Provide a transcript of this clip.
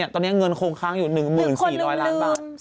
ตอนนี้เงินคงค้างอยู่๑๔๐๐ล้านบาท